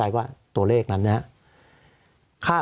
สวัสดีครับทุกคน